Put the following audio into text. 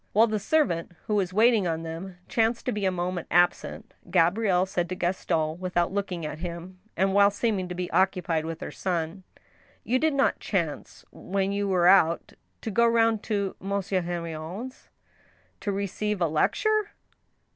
While the servant, who was waiting on them, chanced to be a moment absent, Gabrielle said to Gaston, without looking at him, and while seeming to be occupied with her son :" You did not chance, when you were out, to go round to Mon sieur Henrion's ?"•* To receive a lecture